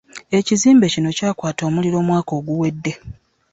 Ekizimbe kino kyakwata omuliro omwaka oguwedde.